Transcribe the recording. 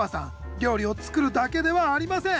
料理を作るだけではありません。